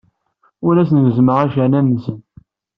Ur asen-gezzmeɣ accaren-nsen.